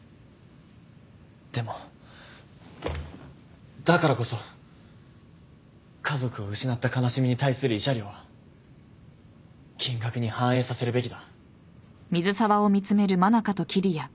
でもだからこそ家族を失った悲しみに対する慰謝料は金額に反映させるべきだ。